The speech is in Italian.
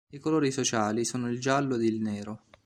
I colori sociali sono il giallo ed il nero.